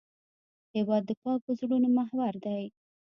هېواد د پاکو زړونو محور دی.